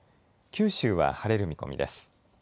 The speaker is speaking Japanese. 九州は晴れる見込みです。